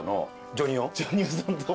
ジョニ男さんと。